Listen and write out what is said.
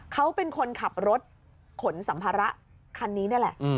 เขาเป็นคนขับรถขนสัมภาระคันนี้นี่แหละ